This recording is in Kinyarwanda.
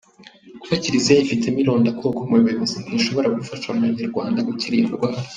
Kuba Kiliziya yifitemo irondakoko mu buyobozi ntishobora gufasha Abanyarwanda gukira iyo ndwara.